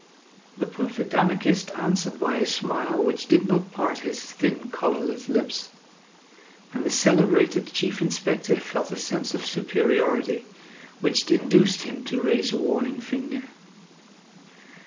The perfect anarchist answered by a smile which did not part his thin colourless lips; and the celebrated Chief Inspector felt a sense of superiority which induced him to raise a warning finger.